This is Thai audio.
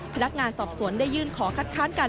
พนักงานสอบสวนได้ยื่นขอคัดค้านกัน